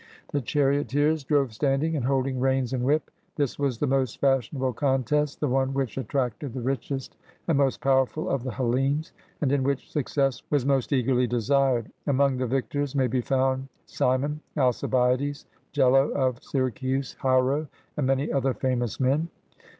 The charioteers drove standing, and holding reins and whip. This was the most fashionable contest, the one which attracted the richest and most powerful of the Hellenes, and in which success was most eagerly desired. Among the victors may be found Cimon, Alcibiades, Gelo of Syracuse, Hiero, and many other famous men.